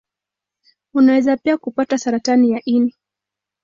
Unaweza pia kupata saratani ya ini.